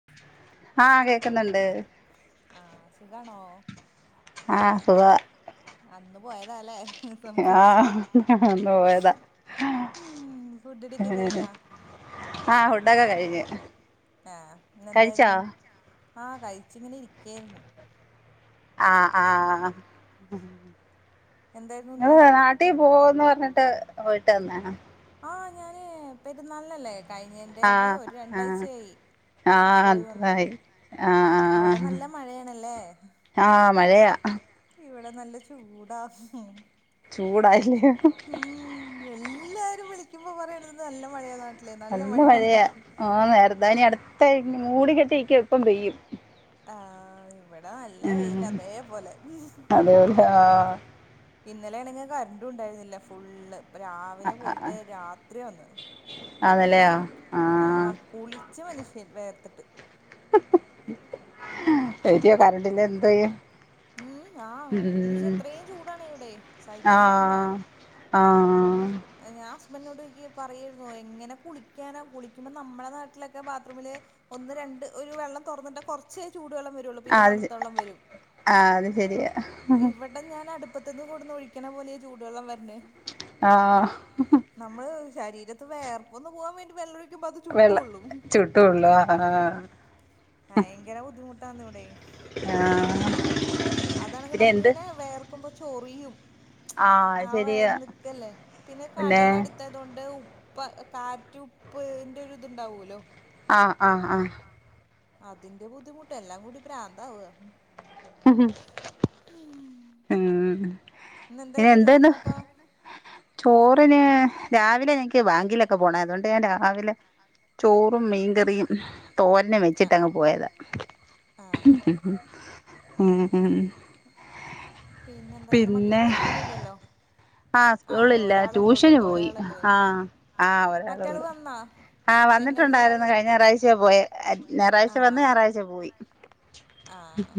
[inaudible] ആഹ് അതെ ആഹ്സുഖാണോ ആഹ് സുഖാ അന്ന് പോയതാല്ലേഹ്ഹ്ഹ് സംസാരിച്ചിട്ട് ഉം ഫുഡടിക്കെ കഴിഞ്ഞാ ആഹ് ഫുഡ് ഒക്കെ കഴിഞ്ഞു ആംഇന്നെന്തായിരുന്നു കഴിച്ചാ ആഹ് കഴിച്ചിങ്ങനെ ഇരിക്കായിരുന്നു ആഹ്ആഹ് നാട്ടിൽ പോന്ന് പറഞ്ഞിട്ട് പോയിട്ട് വന്നാണോ ആഹ് ഞാന് പെരുനാളിനല്ലേ കഴിഞ്ഞന്റെ ഒരു രണ്ടാഴ്ചയായി പോയി വന്ന് അവടെ നല്ല മഴേണല്ലേ. ആഹ് മഴയാ ഇവടെ നല്ല ചൂടാ ഉം എല്ലാവരും വിളിക്കുമ്പോൾ പറയണത് നല്ല മഴേണ് നല്ല മഴയാ ആഹ് നേർതാ നി അട്ത്ത മൂടി കെട്ടിരിക്ക ഇപ്പം പെയ്യും ആഹ് ഇവടെ നല്ല വെയില അതേപോലെ ഇന്നലാണെങ്കി കര്ണ്ടുണ്ടായില്ല ഫുള്ള് ഇപ്പ രാവിലെ പോയിട്ട് രാത്രിയാവന്ന് ആഹ് തെന്ന്യാ ആഹ് കുളിച്ച മനുഷ്യൻ വെയർത്ത്ട്ട്. ഏച്യേ കറണ്ടില്ലേ എന്തെയ്യും ഉം ആഹ് എന്നച്ച അത്രേം ചൂടാണിവടെ സഹിക്കാൻ പറ്റൂല. ആഹ് ഞാൻ ഹസ്ബൻനോടോയിക്ക പറയായിര്ന്നു എങ്ങനെ കുളിക്ക്യാന കുളിക്ക്യുമ്പൊ നമ്മടെ നാട്ടിലക്കെ ബാത്റൂമില് ഒന്ന് രണ്ട് ഒരു വെള്ളം തൊറന്ന്ട്ട കൊറച്ചേ ചൂടുവെള്ളം വെരൊള്ളൂ പിന്നെ തണ്ത്തള്ളം വെരും. ആഹ് അത് ശെരിയ വട ഞാനട്പ്പത്ത്ന്ന് കൊട്ന്ന് ഒഴിക്കണ പോലെ ചൂടുവെള്ളം വെര്ന്നെ ആഹ് നമ്മള് ശരീത്ത് വേയർപ്പൊന്ന് പോവാൻ വേണ്ടി വെള്ളൊഴി ക്കുമ്പ അത് ചുട്ടുപൊള്ളും ചുട്ടു പൊള്ളും ആഹ് ആഹ് ഭയങ്കര ബുദ്ധിമുട്ടാന്നിവടേ ആഹ് അതാണെങ്കി നമക്കിങ്ങനെ വേർക്കുമ്പൊ ചൊറിയും ആഹ് വഴന്ന്ക്കല്ലേ പിന്നെ കടലെട് ത്തതൊണ്ട് ഉപ്പ് കാറ്റ് ഉപ്പ് ൻ്റെരുത്ണ്ടാവൊല്ലോ അഹ് ആഹ് ആഹ് ആഹ്. അതിന്റെ ബുദ്ധിമുട്ട് എല്ലാം കൂടി പ്രാന്താവ. ഹ് ഹ് [unintelligible] ഉം ഇന്നെന്തായിരുന്നു ചോറിനപ്പം? ചോറിന് രാവിലെ എനിക്ക് ബാങ്കിലൊക്കെ പോണാ അതോണ്ട് ഞാൻ രാവിലെ ചോറും മീൻകറിയും തോരനും വെച്ചിട്ടങ്ങ് പോയതാ ഉം ഉം പിന്നെന്താ ഇന്ന് മക്കക്ക് സ്കൂളില്ലല്ലോ. ആഹ് സ്കൂളില്ല ട്യൂഷന് പോയി. ആഹ് ആഹ് ഒരാളൊള്ള് ആഹ് വന്ന്ട്ടുണ്ടായിരുന്ന്‌ കഴിഞ്ഞാറാഴ്ചയാ പോയെ അ [unintelligible] ഞായറാഴ്ച വന്ന് ഞായറാഴ്ച പോയി.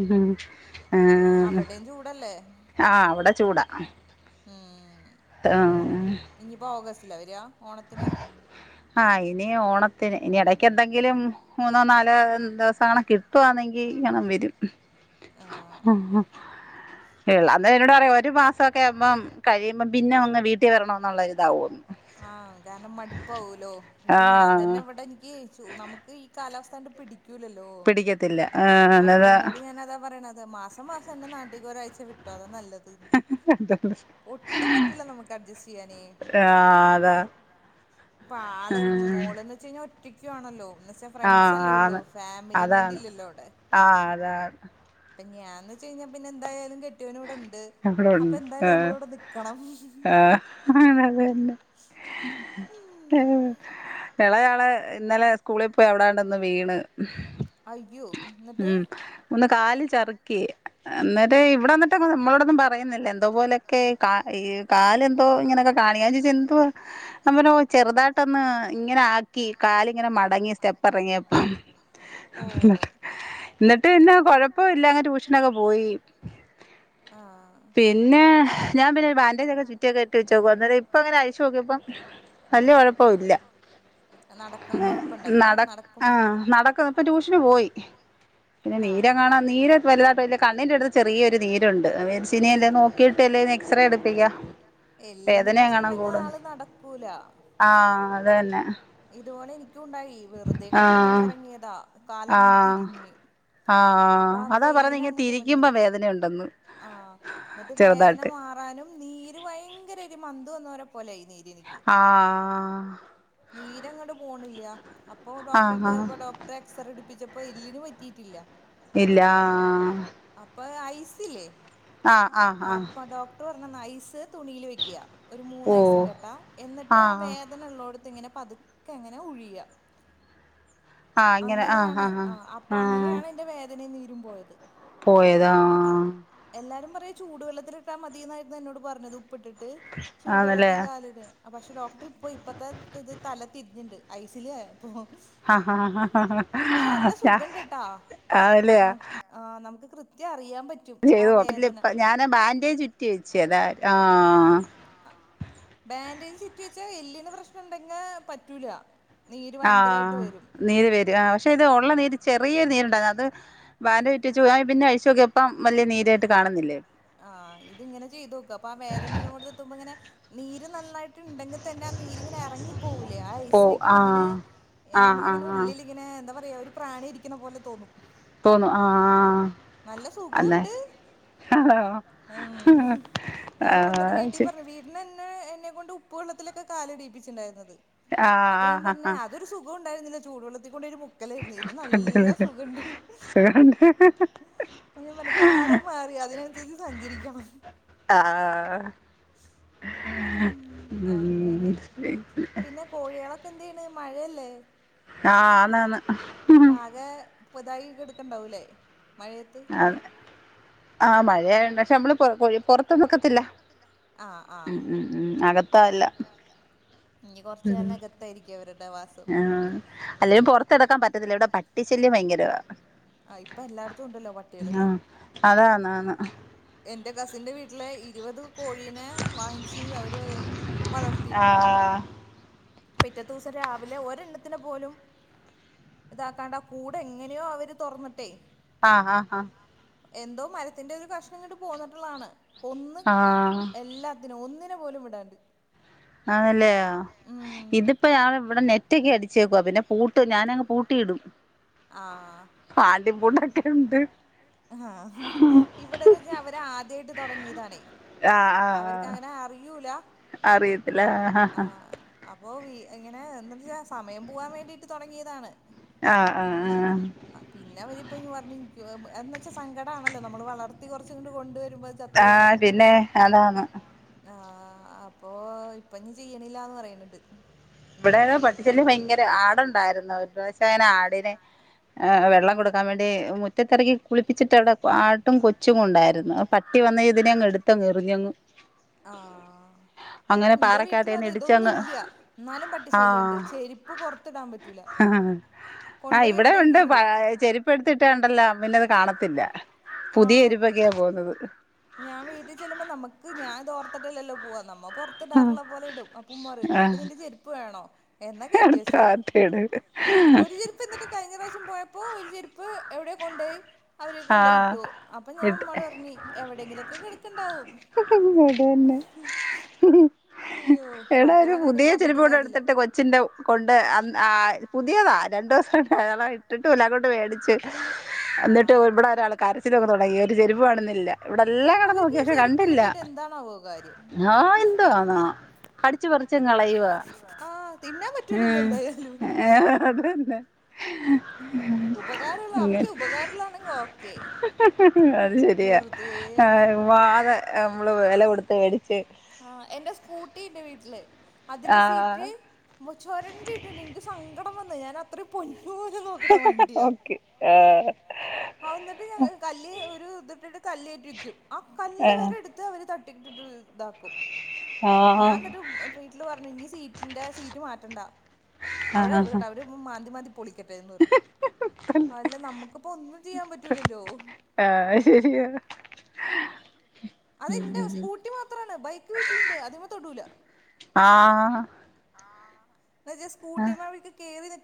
ഉം അവടേം ചൂടല്ലേ? ആഹ് ഇവടെ ചൂടാ. ഉം ആഹ് ഇനിപ്പ ഓഗസ്റ്റിലാ വെരാ? ത്ത്ന് ആഹ് ഇനി ഓണത്തിന് ഇനി എടക്കെ ന്തെങ്കിലും മൂന്നോ നാലോ ദെവസങ്ങണ കിട്ടാന്നെങ്കി [unintelligible] വെരും ആഹ് [unintelligible] അന്നരം എന്നോടറിയും ഒരു മാസൊക്കാവുമ്പം കഴിയുമ്പോം പിന്നെ അങ്ങ് വീട്ടിവരണന്നൊള്ള ഒരിതാവുന്ന് ആഹ് കാരണം മട്പ്പാവൂലോ ഇപ്പൊ ഞാൻ തെന്നെ ഇവടെ എനിക്ക് ചൂ നമക്ക് ഈ കാലാവസ്ഥണ്ട് പിടി ക്കൂലല്ലോ പിടിക്കത്തില്ല ഹുസ്ബന്റിനോട് ഞാനതാ പറയണത് മാസ പ്പം മാസം എന്നെ നാട്ടിക്ക് ഒരാഴ്ച വിട് ട്ടാല നല്ലത് ഒട്ടും പറ്റൂല്ല നമുക്ക് അഡ്ജസ്റ്റ് ചെയ്യാനേ ആഹ് ആതാ പ്പആള് മോള്ന്ന്ച്ചയിഞ്ഞാ ഒറ്റക്കുവാണല്ലോ എന്നച്ചാ ഫ്രണ്ട്സല്ലേള്ളൂ ഫാമിലി മൈൻഡില്ലല്ലോവിടെ ആഹ് പ്പഞാൻന്ന് വെച്ച് കഴിഞ്ഞാ പിന്നെന്തായാലും കെട്യോനിവിടുണ്ട് അപ്പന്തായാലും നമ്മളിവിടെ നിക്കണം ആഹ് അതന്നെ എളേയാള് ഇന്നലെ സ്കൂളിപോയി അവിടാണ്ടൊന്ന് വീണ്- അയ്യോ എന്നിട്ട്? ഒന്ന് കാല് ചർക്കി അന്നേരെ ഇവിടെന്ന്‌- നമ്മളോടൊ ഒന്നും പറയുന്നില്ല എന്തോ പോലൊക്കെ ഈ ഈ കാലെന്തോ ഇങ്ങനെയൊക്കെ കാണിക്ക്ന്ന് ഞാൻ ചോദിച്ചു എന്തുവ്വാ- അമ്മനോ ചെറുതാട്ടൊന്ന് ഇങ്ങനാക്കി കാലിങ്ങനെ മടങ്ങി സ്റ്റെപ്പെറങ്ങിയപ്പം ഓഹ് എന്നിട്ട് പിന്നെ കൊഴപ്പയില്ല അങ്ങ് ട്യൂഷനൊക്കെ പോയി ആഹ് പിന്നെ ഞാൻ തന്നെ ഒര് ബാൻഡേജൊക്കെ ചുറ്റിയൊക്കെട്ടി വെച്ചേക്കുവാ അന്നേരം ഇപ്പൊ അങ്ങനെ അഴിച്ചു നോക്കിയപ്പം വല്ല്യ കൊഴപ്പംയില്ല നട ആഹ് നടക്കും ഇപ്പ ട്യൂഷന് പോയി പിന്നെ നീരെങ്ങാണം നീര് വല്തായിട്ട് വല്ല കണ്ണിൻറ അടുത്ത് ചെറിയൊരു നീര് ചെറിയൊരു നീരൊണ്ട് പിന്നല്ലേ ഇനി നോക്കിയിട്ട് ഒരു എക്സറേയെടുപ്പിക്കാംഎല്ലിന് പ്രശ്നണ്ടെ ആള് നട ക്കൂല- ആഹ് അത് തന്നെ ഇതുപോലെനിക്കും ഉണ്ടായി വെറുതെ കട്ടിൽമന്ന് ഇറങ്ങിയതാ കാലങ്ങട്ട് തിരിഞ്ഞ് അപ്പൊ വെയിനങ്ങോട്ട് വലി ആഹ് എന്നിട്ട് വേതന മാറാനും നീര് ഭയങ്കര ഒരു മന്ത് വന്നവരെ പോലായി നീര് എനിക്ക് നീരങ്ങോട്ട് പോണില്ല അപ്പോൾ ഡോക്ടറെ അടുത്ത് പോയപ്പോ ഡോ ക്ടർ എ ക്സർ എടിപ്പിച്ചപ്പോ എല്ലിന് പറ്റിയിട്ടില്ല ഇല്ലാ അപ്പൊ ഐസില്ലേ ആ അപ്പൊ ഡോക്ടർ പറഞ്ഞന്ന് ഐസ് തുണിയില് വെക്ക ഒരു മൂന്ന് ഐസ്‌ കട്ട എന്നിട്ട് ആ വേദ- നയുള്ളോടത്ത് ഇങ്ങനെ പതുക്കെങ്ങനെ ഉഴിയ അങ്ങനെയാണ് ആ അപ്പൊ അങ്ങനെയാണ് എന്റെ വേദനയും നീരും പോയത് പോയതാ- എല്ലാരും പറയും ചൂടുവെള്ളത്തിലിട്ടാൽ മതിയെന്നായിരുന്നു എന്നോട് പറഞ്ഞത് ഉപ്പിട്ടിട്ട് ചൂടുവെള്ളത്തി കാലിട്ക പക്ഷെ ഡോക്ടർ ഇപ്പ ഇപ്പത്തെ ഇത് തല തിരിഞ്ഞിണ്ട് ഐസി ല് അപ്പൊ പക്ഷെ നല്ല സുഖണ്ട്ട്ടാ ആഹ് ആഹ് നമ്ക്ക് കൃത്യം അറിയാൻ പറ്റ് ചെയ്തതോക്ക് ഇപ്പ ഞൻ ബാൻഡേജ് ചുറ്റിവെച്ച് അതാ ആഹ് ബാൻഡേജ് ചുറ്റി വെച്ചാ എല്ല്ന്ന് പ്രശ്നം ഉണ്ടെങ്കെ പറ്റൂല ആഹ് ആഹ് നീര് വരും ആ പക്ഷെ ഇത് ഒള്ള നീര്- ചെറിയൊര് നീരുണ്ടായിരുന്നു അത് ബാൻഡേജ് ചുറ്റി വെച്ച് പിന്നെ അഴിച്ച്നോക്കിയപ്പം വലിയ നീരായിട്ട് കാണുന്നില്ലേരുന്നു ആഹ് ഇതിങ്ങനെ ചെയ്തു നോക്ക് അപ്പൊ ആ വേദനയുളളോട്ത്തെത്തുമ്പോ ഇങ്ങനെ നീര് നന്നായിട്ട് ഉണ്ടെങ്കിൽ തന്നെ നീരിങ്ങനെയെറങ്ങി പോകൂല്ലേ ആ ഐസ് വെ ക്കുമ്പോ ഇങ്ങനെ നമു ഇങ്ങെനെഉള്ളി യിങ്ങനെ എന്താ പറയാ ഒരു പ്രാണി ഇരിക്കുന്ന പോലെ തോന്നും നല്ല സുഖു ഇണ്ട് ഉം ഞാൻ വന്ന്ട്ട് വീട്ടി പർഞ് വീ ഇന്ന് എന്നെ എന്നെ കൊണ്ട് ഉപ്പ് വെള്ളത്തിലൊക്ക കാലടിപ്പിച്ചിണ്ടായിരുന്നത് അപ്പ ഞാൻ പർഞ് അതൊരു സുഖു ഉണ്ടായിരുന്നില്ല ചൂടുവെള്ളത്തി കൊണ്ടൊയിട്ട് മു ക്കലെയിര്ന്നെ ഇത് നല്ല സുഖണ്ട് അപ്പം ഞാൻ പർഞ് കാലം മാറി അതിനൻസര്ച്ച് സഞ്ചരിക്കണം അ ആ ഉം അങ്ങനെ പിന്നെ ന്നെ കോഴികളൊക്ക എന്ത് ചെയ്യ്ണ് മഴയല്ലേ ആകെ പുതുതായി ഇത് ഇട്ക്ക്ണ്ടാവൂലെ മഴയത്ത് ആ മയേണ്ട് പക്ഷെ നമ്മള് പൊ പൊർ പൊർത്ത്ക്ക് എർക്കത്തില്ല ആ ആ ഉം ഉം അക അകത്തവല്ല ഇഞ്ഞി കൊർച് കാലം അകത്തായിരിക്കും അവരുടെ വാസ് ആ അല്ലങ്കിം പൊറത്ത് കടക്കാം പറ്റത്തില്ല ഇവിടെ പട്ടിശല്യം ഭയങ്കരവാ അയ് ഇപ്പ എല്ലായിടത്തും ഉണ്ടല്ലോ പട്ടിയള് എന്റെ കസിന്റെ വീട്ടിലെ ഇരുവത് കോഴീനെ വാങ്ങിച്ച് അവര് വളർത്തിയിരുന്നു പിറ്റത്തെ ദൂസം രാവിലെ ഒരെണ്ണത്തിനെ പോലും ഇതാക്കാണ്ടാ കൂട് എങ്ങനെയോ അവര് തൊർന്ന്ട്ടെ ആ ആ എന്തോ മരത്തിന്റെ ഒരു കഷ്ണം ഇങ്ങോട്ട് പോന്ന്ട്ടുള്ളതാണ് കോന്ന് എല്ലാത്തിനും ഒന്നിനെ പോലും വിടാണ്ട് ആണല്ലേ ആ ഹ് ഇത്പ്പ ഞങ്ങള ഇവടെ നെറ്റക്കെ അടിച്ചേക്കുവ പിന്നെ പൂട്ട് ഞാനങ്ങ് പൂട്ടിയിടും ആ പാണ്ടി പൂട്ടെക് ആ ഇവടെന്ന് വെച്ചാ അവര് ആദ്യായിട്ട് തൊടങ്ങിയതാണേ അവര്ക്ക് അങ്ങനെ അറിയൂല അറിയത്തില്ല ആ ഹ ഹ അപ്പോ വി ഇങ്ങനെ എന്തന്ന് വെച്ചാ സമയം പോവാൻ വേണ്ടീട്ട് തൊടങ്ങിയതാണ് ആ ആ ആ ആ പിന്നെ അവരിപ്പ ഞ് പർഞ് എന്തന്ന് വെച്ചാ സങ്കടാണല്ലോ നമ്മള് വളർത്തി കൊർച്ച് ഇങ്ങട് കൊണ്ട് വരുമ്പോ ചത്ത് പോണത് ആ പിന്നെ അതാണ് ആ അപ്പൊ ഇപ്പ ഇഞ്ഞി ചെയ്യ്ണില്ലാന്ന് പറിണ് ണ്ട് ഇവടെണോ പട്ടി ശല്യം ഭയങ്കര ആടുണ്ടായിരുന്നു ഒരു പ്രാവശ്യം ഇങ്ങനെ ആടിന് വെള്ളം കൊടു ക്കാം വേണ്ടി മുറ്റത്ത് എറക്കി കുളിപ്പിച്ചിട്ട് അവ്ടെ ആടും കൊച്ചും ഉണ്ടായിരുന്നു പട്ടി വന്ന് ഇതിനെങ് എട്ത്തങ്ങ് എറിഞ്ഞങ്ങ് ആ ഇപ്പ ഇന്റെ വീട്ടിലും അതെ ഇതൊന്നും ഇല്ല്യ ന്നാലും പ ട്ടി ശല്യ ഇണ്ട് ചെരിപ്പ് പൊർത്തിടാം പറ്റൂല കൊണ്ടയി എവിടെങ്കിലും ഇടും ഇപ്പ എട്ത്തിട്ടെ കണ്ടല്ലോ പിന്നെ അത് കാണത്തില്ല പുതിയ ചൊരുപ്പൊക്കെയാ പോവുന്നത് ഞാൻ വീട്ടി ചെല്ലുമ്പം നമക്ക് ഞാൻ ഇത് ഓർത്ത്ട്ടല്ലല്ലോ പോവാ നമ്മ പൊർത്ത് ഇടാറുള്ള പോലെ ഇടും അപ്പു ഉമ്മ പറയും നിനക്ക് നിന്റെ ചെര്പ്പ് വേണോ എന്നാ കേറ്റി വെച്ചോ ഒര് ചെരിപ്പ് ന്നട്ട് കഴിഞ്ഞ പ്രാവശ്യം പോയപ്പോ ഒര് ചെര്പ്പ് എവ്ടെയോ കൊണ്ടയി അവരെ കൊണ്ടയി ഇട്ടു അപ്പം ഞാൻ ഉമ്മാട് പർഞ് എവിടെങ്കിലോക്കെ കേട്ക്ക്ണ്ടാവും അതന്നെ എടാ ഒരു പുതിയ ചെരുപ്പ് ഇവടെ എടുത്തിട്ട് കോ ച്ചിൻ്റെ കൊണ്ട് അ ആ പുതിയതാ രണ്ടൂസം ആണ് ഇട്ട്ട്ടു ഇല്ല അങ്ങോട്ട് മേടിച്ച് ആഹ് ഇവിടെ ഒരാൾ കരച്ചിൽ അങ്ങ് തുടങ്ങി ഒരു ചെരുപ്പ് കാണുന്നില്ല ഇവിടെ എല്ലാം കിടന്ന് നോക്കി പക്ഷെ കണ്ടില്ല എന്താണാവോ കാര്യം ആഹ് എന്ത് വാന്നാ കടിച്ച് പറിച്ച് അങ്ങ് കളയുവാ ഉം ഏഹ് അത് തന്ന ഉം ഉപകാരവുള്ള അവർക്ക് ഉപകാരവുള്ളതാണെങ്കിൽ ഓക്കെ അത് ശരിയാ ആഹ് വാഴെ നമ്മള് വില കൊടുത്ത് മേടിച്ച് ആഹ് എന്റെ സ്കൂട്ടി ഉണ്ട് വീട്ടില് അതിന്റെ സീറ്റ് മുറിച്ചോരണ്ടീട്ട് എനിക്ക് സങ്കടം വന്ന് ഞാൻ അത്രയും പൊന്നു പോലെ നോക് നോക്കി ആഹ് ആഹ് എന്നിട്ട് ഞാ കല്ല് ഒരു ഇത് ഇട്ടിട്ട് കല്ല് കേറ്റി വക്കും ആ കല്ല് വരെ എടുത് ത്ത് അവര് തട്ടിട്ടിട്ട് ഇതാക്കും ഞാൻ എന്നിട്ട് വീട്ടിൽ പറഞ്ഞു ഇനി സീറ്റിന്റെ സീറ്റ് മാറ്റണ്ട അവിടെ കിടക്കട്ടെ അവര് മാന്തി മാന്തി പൊളിക്കട്ടെ എന്ന് പറഞ്ഞു അല്ല നമ്മുക്കിപ്പോ ഒന്നും ചെയ്യാൻ പറ്റൂലല്ലോ അത് എൻ്റെ സ്കൂട്ടി മാത്രാണ് ബൈക്ക് വീട്ടിലുണ്ട് അതിമ്മെ തൊടൂല ആഹ് ആഹ് എന്ന് വെച്ചാ സ്കൂട്ടിമക്ക് കേറി നി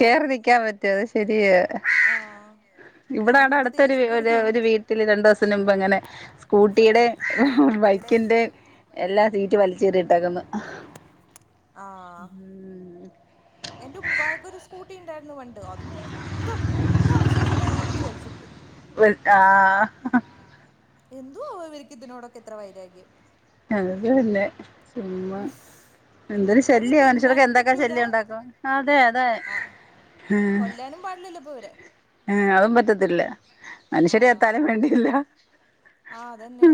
കേറി നിക്കാൻ പറ്റുവ അത് ശെരിയ ഇവിടാണ്ട അടുത്തൊരു ഒരു വീ വീട് വീട്ടില് രണ്ടു ദിവസത്തിന് മുമ്പ് അങ്ങനെ സ്കൂട്ടിടേം ബൈക്കിന്റെ ബൈക്കിന്റെ എല്ലാ സീറ്റ് വലിച്ച് കീറി ഇട്ടേക്കുന്നു ആഹ് എന്റെ ഉപ്പാക്കൊരു സ്കൂട്ടിണ്ടായിരുന്നു പണ്ട് അത് മൊ ത്തം ഒന്നും അവശേഷിക്കാണ്ട് പിടിച്ചു വലിച്ചിട്ട് ഒരു ആഹ് ആഹ് എന്തുവാ ഇവര്ക്ക് ഇതിനോടൊക്കെ ഇത്ര വൈരാഗ്യം. അതന്നെ ചുമ്മാ. എന്തൊരു ശല്യയാ മനുഷ്യർക്ക് എന്തൊക്കെ ശല്യം ഉണ്ടാക്കും അതെ അതെ. കൊല്ലാനും പാടില്ലല്ലോ ഇപ്പോ ഇവരെ ഉം അതും പറ്റത്തില്ല മനുഷ്യര് ചത്താലും വേണ്ടില്ല ആഹ് അതന്നെ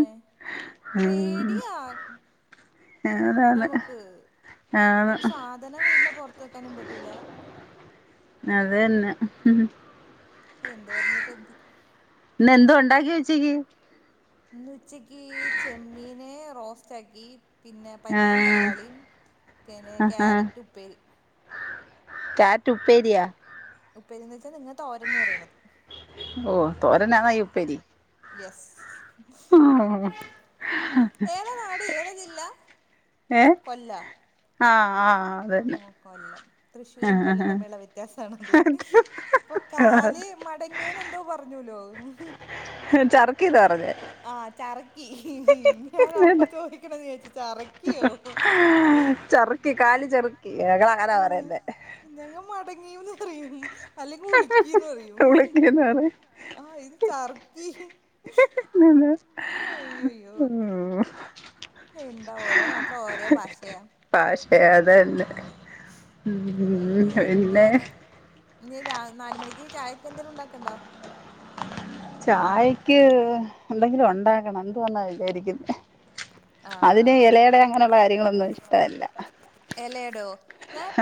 പേടിയാ നമുക്ക് ഒരു സാധനം വീടിന്റെ പൊറത്ത് വെക്കാനും പറ്റൂല അതന്നെ എന്ത് പറഞ്ഞിട്ട് എന്ത് ഇന്ന് എന്തൊണ്ട് ഇന്ന് എന്തൊണ്ടാക്കി ഉച്ചക്ക് ഇന്ന് ഉച്ചക്ക് ചെമ്മീന് റോസ്റ്റാക്കി പിന്നെ പരിപ്പും തക്കാളിയും പിന്നെ ക്യാരറ്റ് ഉപ്പേരി ക്യാരറ്റ് ഉപ്പേരിയ ഉപ്പേരിന്ന് വെച്ചാ നിങ്ങ തോരൻന്ന് പറയണത് ഓ തോരനാണോ ഈ ഉപ്പേരി യെസ് [unintelligible] കൊല്ലാ ആഹ് കൊല്ലം തൃശ്ശൂരും കൊല്ലവും തമ്മിലുള്ള വ്യത്യാസണിത് അപ്പൊ കാല് മടങ്ങിയേന് എന്തോ പറഞ്ഞൂലോ ചറക്കിതാ പറഞ്ഞെ ആഹ് ചറക്കി ഞാൻ അപ്പ ചോദിക്കണോന്ന് വിചാരിച്ച് ച റക്കിയോ ആഹ് ഞങ്ങൾ മടങ്ങിയോന്ന് അല്ലെങ്കിൽ ഉളുക്കീന്ന് പറയും ആ ഇത് ചർക്കി ഹ് ഹ് ന്നാ ഓ ഹ് എന്താ ഓരോ നാട്ടില് ഓരോ ഭാഷയാ ഭാഷയാ അത് തന്നെ ഉം പിന്നെ ഇനി നാ നാല് മണിക്ക് ചായക്ക് എന്തേലും ഉണ്ടാക്കണ്ടോ ചായക്ക് എന്തെങ്കിലും ഉണ്ടാക്കണം എന്തുവാന്നാ വിചാരിക്കുന്നേ അതിന് ഇലയട അങ്ങനെയുള്ള കാര്യങ്ങളൊന്നും ഇഷ്ടമല്ല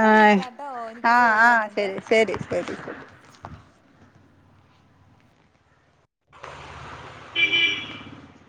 ആഹ് ആഹ് ആഹ് ശരി ശരി ശരി [inaudible]